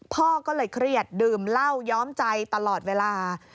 พ่อก็เลยเครียดดื่มเหล้าย้อมใจตลอดเวลา